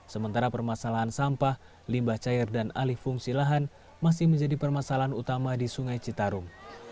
sementara permasalahan sampah limbah cair dan alih fungsi lahan masih menjadi permasalahan utama di sungai citarum